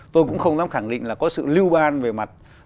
tôi cũng không dám khẳng định là có sự lưu ban về mặt